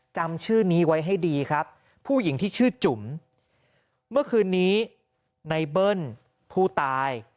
จำชื่อนี้ไว้ให้ดีครับผู้หญิงที่ชื่อจุ๋มเมื่อคืนนี้ในเบิ้ลผู้ตาย